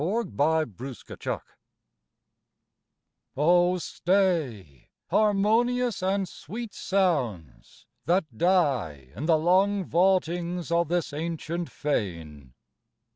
Oh, stay, harmonious and sweet sounds, that die In the long vaultings of this ancient fane!